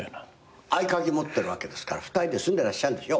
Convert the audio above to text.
合鍵持ってるわけですから２人で住んでらっしゃるんでしょ。